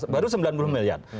baru sembilan puluh miliar